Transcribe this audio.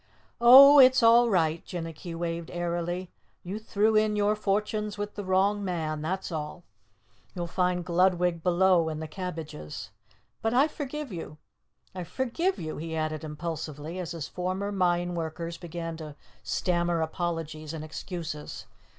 "Oh, it's all right," Jinnicky waved airily. "You threw in your fortunes with the wrong man, that's all! You'll find Gludwig below in the cabbages. But I forgive you! I forgive you!" he added impulsively as his former mine workers began to stammer apologies and excuses.